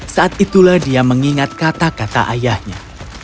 saat itulah dia mengingat kata kata ayahnya